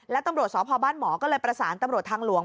และตำรวจสพบ้านหมอก็เลยประสานตำรวจทางหลวง